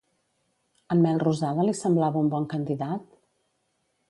En Melrosada li semblava un bon candidat?